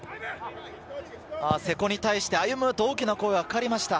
瀬古に対して「歩夢！」と大きな声がかかりました。